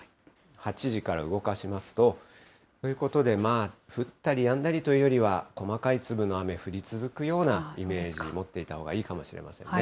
８時から動かしますと、ということで、まあ、降ったりやんだりというよりは、細かい粒の雨、降り続くようなイメージを持っていたほうがいいかもしれませんね。